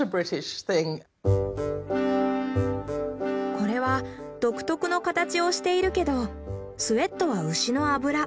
これは独特の形をしているけどスエットは牛の脂。